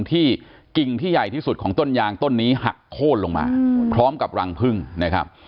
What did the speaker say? กิ่งที่ใหญ่ที่สุดของต้นยางต้นนี้หักโค้นลงมาพร้อมกับรังพึ่งนะครับ